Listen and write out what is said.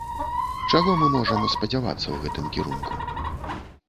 Чаго мы можам спадзявацца ў гэтым кірунку?